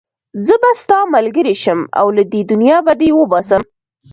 زه به ستا ملګری شم او له دې دنيا به دې وباسم.